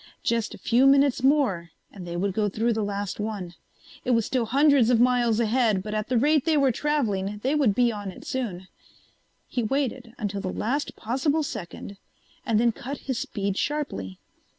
Just a few minutes more and they would go through the last one. It was still hundreds of miles ahead but at the rate they were travelling they would be on it soon. He waited until the last possible second and then cut his speed sharply.